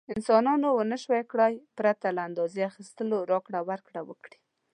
انسانانو ونشو کړای پرته له اندازې اخیستلو راکړه ورکړه وکړي.